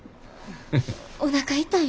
おなか痛いん？